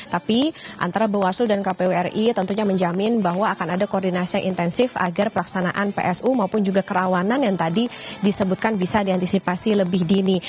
tapi antara bawaslu dan kpu ri tentunya menjamin bahwa akan ada koordinasi yang intensif agar pelaksanaan psu maupun juga kerawanan yang tadi disebutkan bisa diantisipasi lebih dini